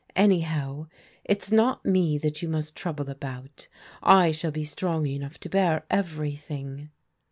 Anyhow, it's not me that you must trouble about. I shall be strong enough to bear everything."